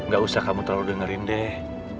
gak usah kamu terlalu dengerin deh